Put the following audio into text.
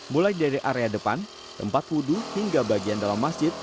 mulai dari area depan tempat wudhu hingga bagian dalam masjid